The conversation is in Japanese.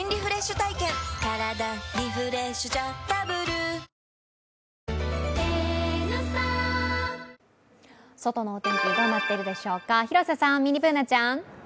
「ディアナチュラ」外のお天気どうなっているでしょうか、広瀬さん、ミニＢｏｏｎａちゃん。